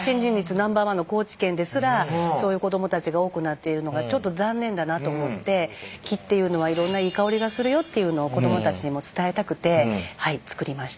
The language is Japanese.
ナンバーワンの高知県ですらそういう子供たちが多くなっているのがちょっと残念だなと思って木っていうのはいろんないい香りがするよっていうのを子供たちにも伝えたくてはい作りました。